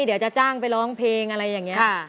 เดี๋ยวจะจ้างไปร้องเพลงอะไรอย่างนี้